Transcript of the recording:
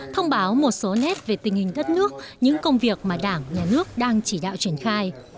thông báo một số nét về tình hình đất nước những công việc mà đảng nhà nước đang chỉ đạo triển khai